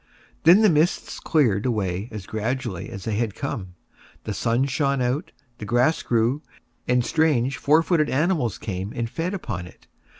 Then the mists cleared away as gradually as they had come, the sun shone out, the grass grew, and strange four footed animals came and fed upon it.